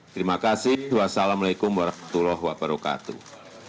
terima kasih wassalamualaikum warahmatullahi wabarakatuh